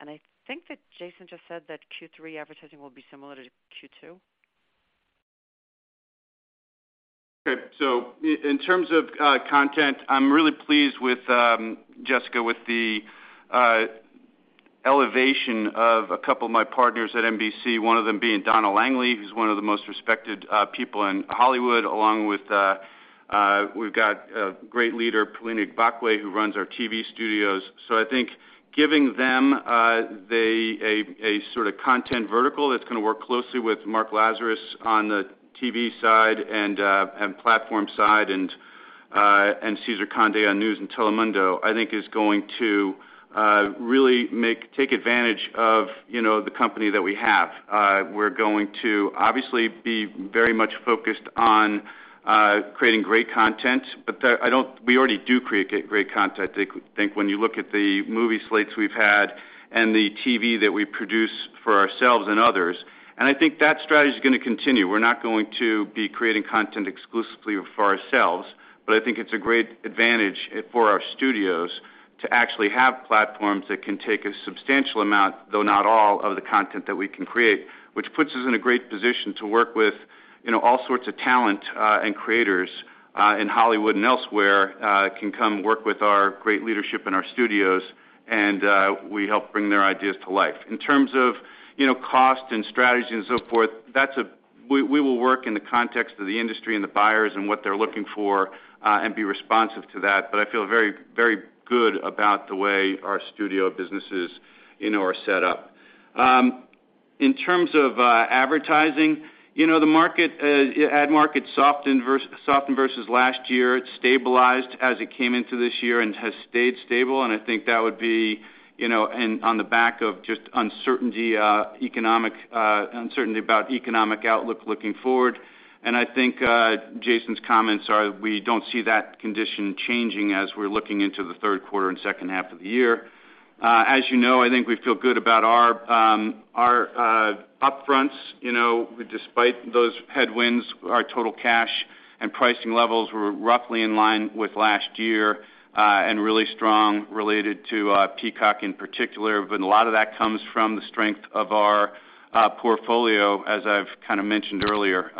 I think that Jason just said that Q3 advertising will be similar to Q2. In terms of content, I'm really pleased with Jessica, with the elevation of a couple of my partners at NBC, one of them being Donna Langley, who's one of the most respected people in Hollywood, along with we've got a great leader, Pearlena Igbokwe, who runs our TV studios. I think giving them a sort of content vertical that's going to work closely with Mark Lazarus on the TV side and platform side, and. Cesar Conde on News and Telemundo, I think is going to really take advantage of, you know, the company that we have. We're going to obviously be very much focused on creating great content, but that we already do create great content. I think when you look at the movie slates we've had and the TV that we produce for ourselves and others, I think that strategy is going to continue. We're not going to be creating content exclusively for ourselves, but I think it's a great advantage for our studios to actually have platforms that can take a substantial amount, though not all, of the content that we can create, which puts us in a great position to work with, you know, all sorts of talent, and creators in Hollywood and elsewhere, can come work with our great leadership in our studios, and we help bring their ideas to life. In terms of, you know, cost and strategy and so forth, that's we will work in the context of the industry and the buyers and what they're looking for, and be responsive to that. I feel very, very good about the way our studio business is, you know, are set up. In terms of advertising, you know, the market ad market softened versus last year. It stabilized as it came into this year and has stayed stable, I think that would be, you know, and on the back of just uncertainty, economic uncertainty about economic outlook looking forward. I think Jason's comments are we don't see that condition changing as we're looking into the third quarter and second half of the year. As you know, I think we feel good about our up-fronts. You know, despite those headwinds, our total cash and pricing levels were roughly in line with last year, and really strong related to Peacock in particular. A lot of that comes from the strength of our portfolio, as I've kind of mentioned earlier,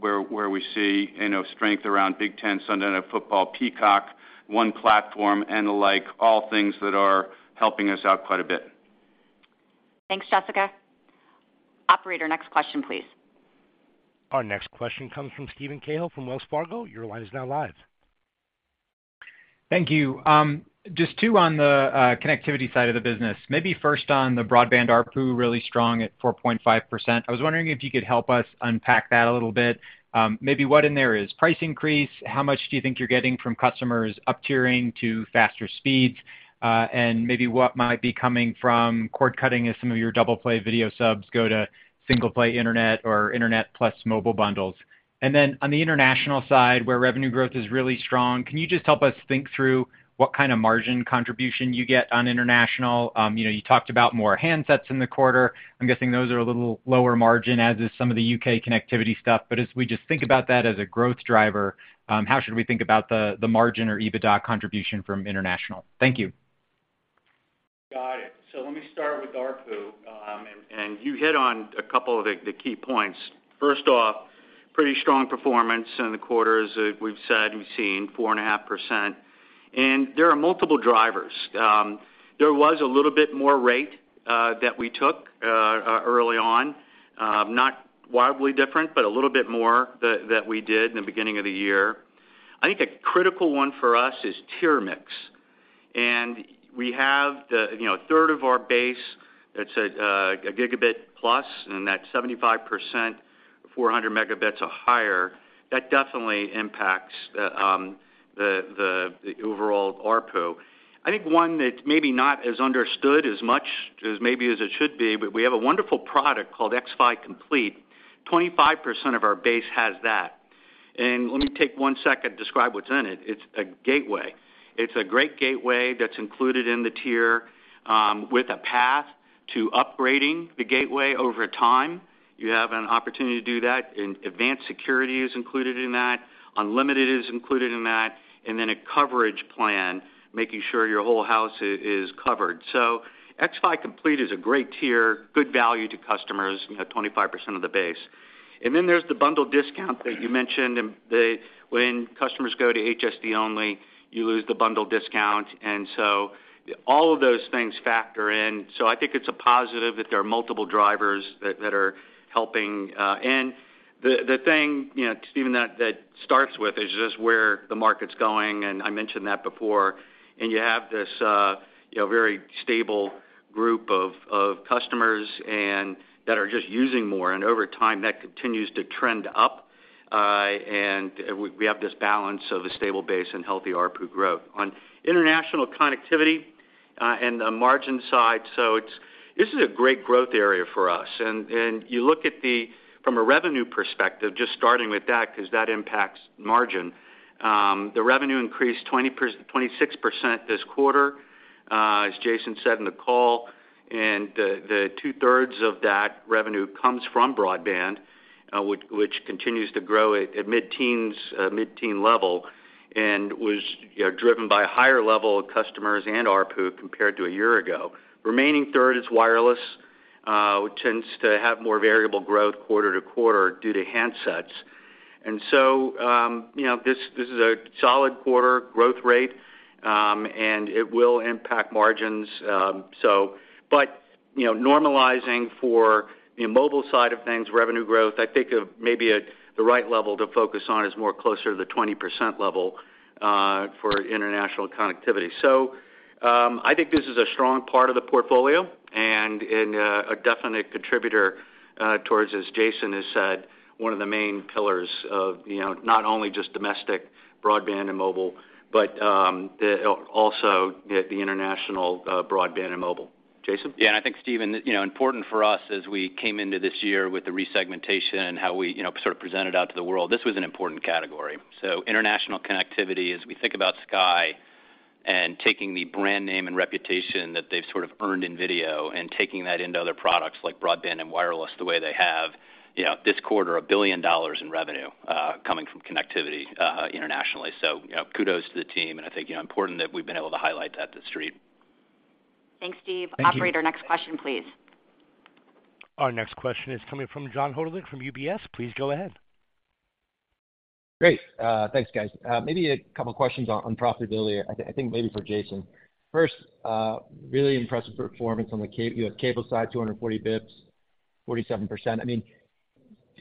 where we see, you know, strength around Big Ten, Sunday Night Football, Peacock, One Platform, and the like, all things that are helping us out quite a bit. Thanks, Jessica. Operator, next question, please. Our next question comes from Steven Cahall from Wells Fargo. Your line is now live. Thank you. Just two on the connectivity side of the business. Maybe first on the broadband ARPU, really strong at 4.5%. I was wondering if you could help us unpack that a little bit. Maybe what in there is price increase? How much do you think you're getting from customers up-tiering to faster speeds? Maybe what might be coming from cord cutting as some of your double play video subs go to single play internet or internet plus mobile bundles? On the international side, where revenue growth is really strong, can you just help us think through what kind of margin contribution you get on international? You know, you talked about more handsets in the quarter. I'm guessing those are a little lower margin, as is some of the UK connectivity stuff. As we just think about that as a growth driver, how should we think about the margin or EBITDA contribution from international? Thank you. Got it. Let me start with ARPU, and you hit on a couple of the key points. First off, pretty strong performance in the quarter, as we've said, we've seen 4.5%, and there are multiple drivers. There was a little bit more rate that we took early on. Not wildly different, but a little bit more that we did in the beginning of the year. I think the critical one for us is tier mix, and we have the, you know, a third of our base that's a gigabit plus, and that 75%, 400 megabits or higher, that definitely impacts the overall ARPU. I think one that maybe not as understood as much as maybe as it should be, but we have a wonderful product called xFi Complete. 25% of our base has that. Let me take one second to describe what's in it. It's a gateway. It's a great gateway that's included in the tier, with a path to upgrading the gateway over time. You have an opportunity to do that, and advanced security is included in that, Unlimited is included in that, and then a coverage plan, making sure your whole house is covered. xFi Complete is a great tier, good value to customers, and we have 25% of the base. There's the bundle discount that you mentioned, when customers go to HSD only, you lose the bundle discount. All of those things factor in. I think it's a positive that there are multiple drivers that are helping. The thing, you know, Steven, that, that starts with is just where the market's going, and I mentioned that before. You have this, you know, very stable group of, of customers that are just using more, and over time, that continues to trend up, and we, we have this balance of a stable base and healthy ARPU growth. On international connectivity, and the margin side, this is a great growth area for us. You look at the, from a revenue perspective, just starting with that, because that impacts margin. The revenue increased 26% this quarter, as Jason said in the call, and the 2/3 of that revenue comes from broadband, which continues to grow at mid-teens, mid-teen level, and was, you know, driven by higher level of customers and ARPU compared to a year ago. Remaining third is wireless, which tends to have more variable growth quarter-to-quarter due to handsets. You know, this is a solid quarter growth rate, and it will impact margins. You know, normalizing for the mobile side of things, revenue growth, I think of maybe at the right level to focus on is more closer to the 20% level for international connectivity. I think this is a strong part of the portfolio and a definite contributor towards, as Jason has said, one of the main pillars of, you know, not only just domestic broadband and mobile, but also the international broadband and mobile. Jason? I think, Steven, you know, important for us as we came into this year with the resegmentation and how we, you know, sort of presented out to the world, this was an important category. International connectivity, as we think about Sky and taking the brand name and reputation that they've sort of earned in video and taking that into other products like broadband and wireless, the way they have, you know, this quarter, $1 billion in revenue coming from connectivity internationally. Kudos to the team, and I think, you know, important that we've been able to highlight that to the street. Thanks, Steve. Thank you. Operator, next question, please. Our next question is coming from John Hodulik from UBS. Please go ahead. Great, thanks, guys. Maybe a couple questions on profitability, I think maybe for Jason Armstrong. First, really impressive performance on the you know, cable side, 240 basis points, 47%. I mean,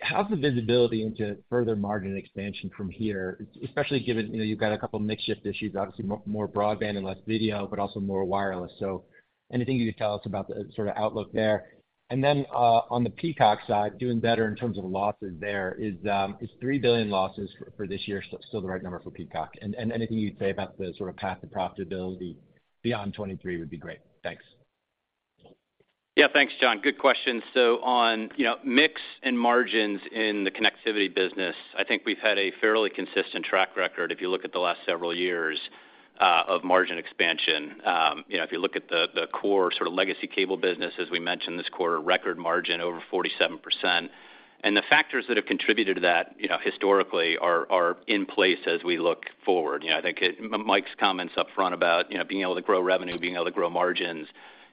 how's the visibility into further margin expansion from here, especially given, you know, you've got a couple of mix shift issues, obviously, more broadband and less video, but also more wireless. Anything you could tell us about the sort of outlook there? Then, on the Peacock side, doing better in terms of losses there, is $3 billion losses for this year still the right number for Peacock? Anything you'd say about the sort of path to profitability beyond 2023 would be great. Thanks. Yeah. Thanks, John. Good question. On, you know, mix and margins in the connectivity business, I think we've had a fairly consistent track record, if you look at the last several years, of margin expansion. You know, if you look at the, the core sort of legacy cable business, as we mentioned this quarter, record margin over 47%. The factors that have contributed to that, you know, historically, are in place as we look forward. You know, Mike's comments upfront about, you know, being able to grow revenue, being able to grow margins,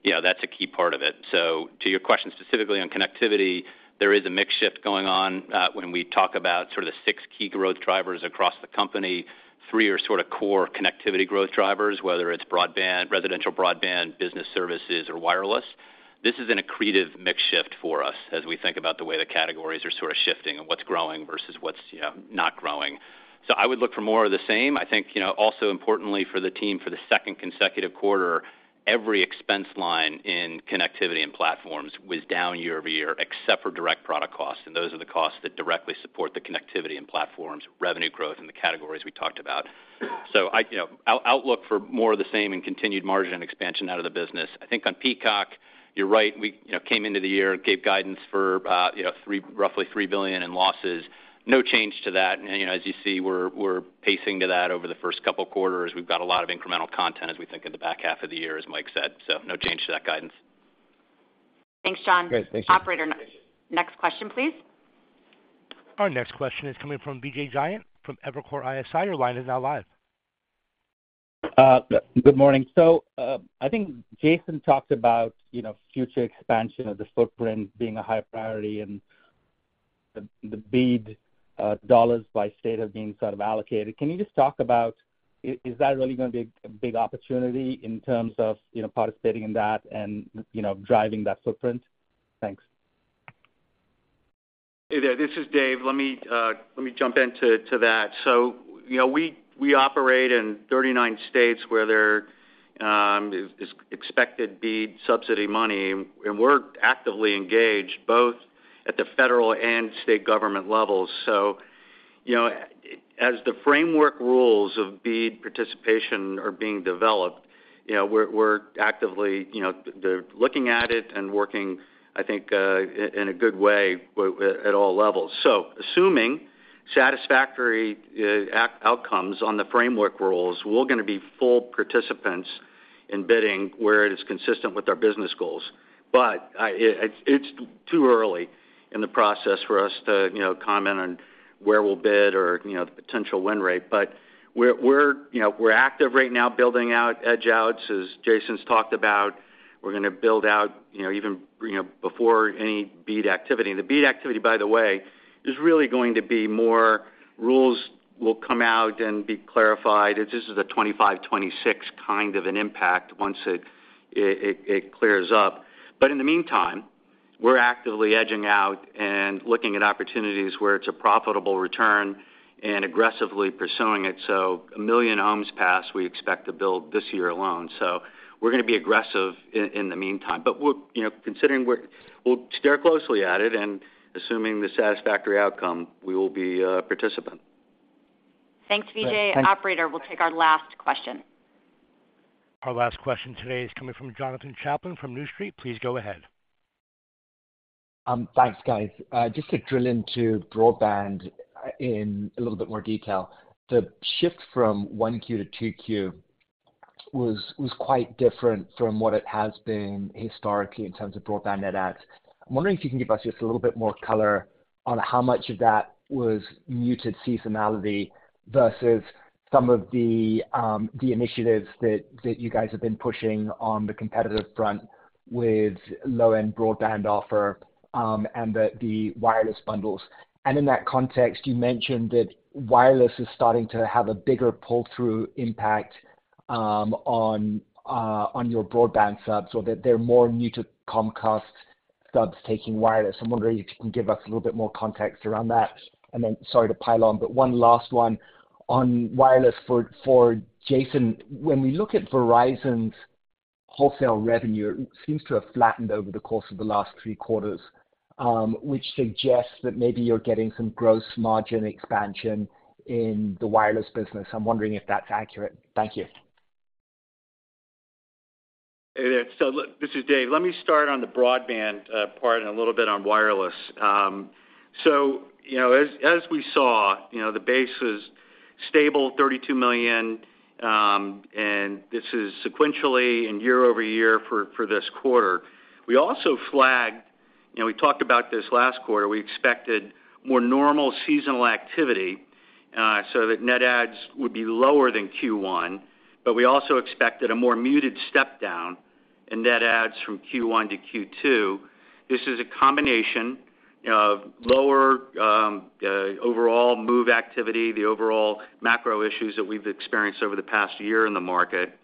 you know, that's a key part of it. To your question, specifically on connectivity, there is a mix shift going on. When we talk about sort of the six key growth drivers across the company, three are sort of core connectivity growth drivers, whether it's broadband, residential broadband, business services, or wireless. This is an accretive mix shift for us as we think about the way the categories are sort of shifting and what's growing versus what's, you know, not growing. I would look for more of the same. I think, you know, also importantly for the team, for the second consecutive quarter, every expense line in Connectivity & Platforms was down year-over-year, except for direct product costs, and those are the costs that directly support the Connectivity & Platforms, revenue growth in the categories we talked about. You know, outlook for more of the same and continued margin expansion out of the business. I think on Peacock, you're right. We, you know, came into the year, gave guidance for, you know, roughly $3 billion in losses. No change to that. You know, as you see, we're pacing to that over the first couple of quarters. We've got a lot of incremental content as we think of the back half of the year, as Mike said. No change to that guidance. Thanks, John. Great. Thank you. Operator, next question, please. Our next question is coming from Vijay Jayant, from Evercore ISI. Your line is now live. Good morning. I think Jason talked about, you know, future expansion of the footprint being a high priority and the BEAD dollars by state of being sort of allocated. Can you just talk about, is that really going to be a big opportunity in terms of, you know, participating in that and, you know, driving that footprint? Thanks. Hey there, this is Dave. Let me jump into that. You know, we operate in 39 states where there is expected BEAD subsidy money, and we're actively engaged both at the federal and state government levels. You know, as the framework rules of BEAD participation are being developed, you know, we're actively, you know, looking at it and working, I think, in a good way at all levels. Assuming satisfactory outcomes on the framework rules, we're gonna be full participants in bidding where it is consistent with our business goals. It's too early in the process for us to, you know, comment on where we'll bid or, you know, the potential win rate. We're, we're, you know, we're active right now, building out edge-outs, as Jason's talked about. We're gonna build out, you know, even, you know, before any BEAD activity. The BEAD activity, by the way, is really going to be more rules will come out and be clarified. This is a 2025, 2026 kind of an impact once it clears up. In the meantime, we're actively edging out and looking at opportunities where it's a profitable return and aggressively pursuing it. A 1 million homes passed, we expect to build this year alone. We're gonna be aggressive in the meantime. We're, you know, considering we'll stare closely at it and assuming the satisfactory outcome, we will be a participant. Thanks, Vijay. Thanks. Operator, we'll take our last question. Our last question today is coming from Jonathan Chaplin from New Street. Please go ahead. Thanks, guys. just to drill into broadband in a little bit more detail. The shift from 1Q to 2Q was quite different from what it has been historically in terms of broadband net adds. I'm wondering if you can give us just a little bit more color on how much of that was muted seasonality versus some of the initiatives that you guys have been pushing on the competitive front with low-end broadband offer, and the wireless bundles. In that context, you mentioned that wireless is starting to have a bigger pull-through impact on your broadband subs, or that they're more new to Comcast subs taking wireless. I'm wondering if you can give us a little bit more context around that. Sorry to pile on, but one last one. On wireless, for Jason, when we look at Verizon's wholesale revenue, it seems to have flattened over the course of the last three quarters, which suggests that maybe you're getting some gross margin expansion in the wireless business. I'm wondering if that's accurate. Thank you. Look, this is Dave. Let me start on the broadband part and a little bit on wireless. You know, as we saw, you know, the base was stable, 32 million, and this is sequentially and year-over-year for this quarter. We also flagged, you know, we talked about this last quarter, we expected more normal seasonal activity, so that net adds would be lower than Q1, we also expected a more muted step down in net adds from Q1 to Q2. This is a combination of lower overall move activity, the overall macro issues that we've experienced over the past year in the market. At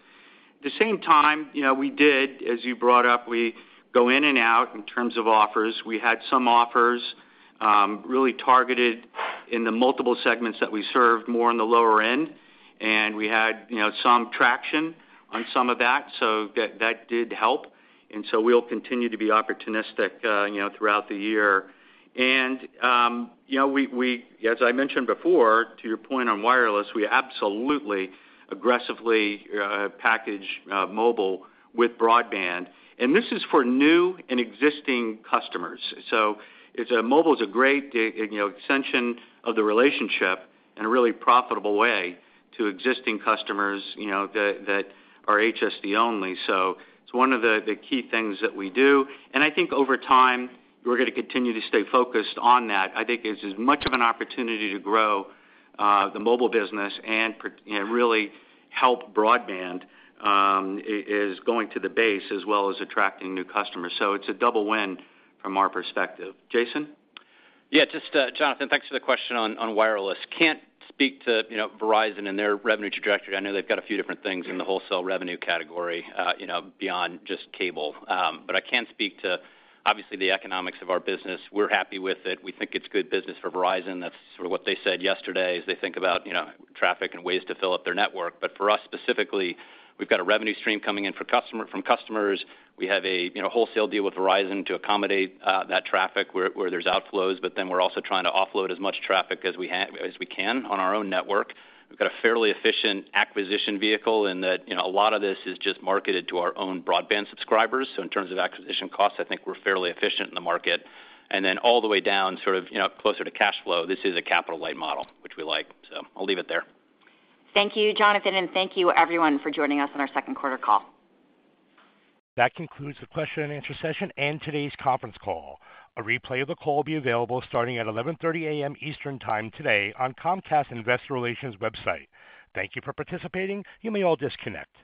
the same time, you know, we did, as you brought up, we go in and out in terms of offers. We had some offers, really targeted in the multiple segments that we served more on the lower end, and we had, you know, some traction on some of that, so that, that did help. We'll continue to be opportunistic, you know, throughout the year. You know, we as I mentioned before, to your point on wireless, we absolutely aggressively package mobile with broadband, and this is for new and existing customers. Mobile is a great, you know, extension of the relationship and a really profitable way to existing customers, you know, that are HSD only. It's one of the key things that we do, and I think over time, we're going to continue to stay focused on that. I think it's as much of an opportunity to grow, the mobile business and really help broadband, is going to the base as well as attracting new customers. It's a double win from our perspective. Jason? Just, Jonathan, thanks for the question on wireless. Can't speak to, you know, Verizon and their revenue trajectory. I know they've got a few different things in the wholesale revenue category, you know, beyond just cable. I can speak to, obviously, the economics of our business. We're happy with it. We think it's good business for Verizon. That's sort of what they said yesterday, as they think about, you know, traffic and ways to fill up their network. For us, specifically, we've got a revenue stream coming in from customers. We have a, you know, wholesale deal with Verizon to accommodate that traffic where there's outflows, but then we're also trying to offload as much traffic as we can on our own network. We've got a fairly efficient acquisition vehicle in that, you know, a lot of this is just marketed to our own broadband subscribers. In terms of acquisition costs, I think we're fairly efficient in the market. All the way down, sort of, you know, closer to cash flow, this is a capital light model, which we like. I'll leave it there. Thank you, Jonathan, and thank you everyone for joining us on our second quarter call. That concludes the question and answer session and today's conference call. A replay of the call will be available starting at 11:30 A.M. Eastern time today on Comcast's Investor Relations website. Thank you for participating. You may all disconnect.